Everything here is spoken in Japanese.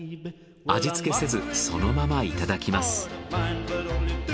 味付けせずそのままいただきます。